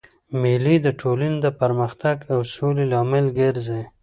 مېلې د ټولني د پرمختګ او سولي لامل ګرځي.